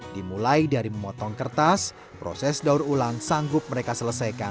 dimulai dari memotong kertas proses daur ulang sanggup mereka selesaikan